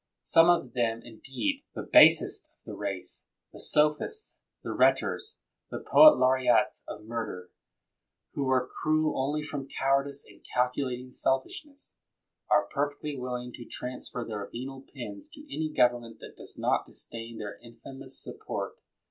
Some of them, indeed, the basest of the race, the sophists, the rhetors, the poet laureates of murder, who were cruel only from cowardice and calculating selfishness, are perfectly willing to transfer their venal pens to any government that does not disdain their infamous support.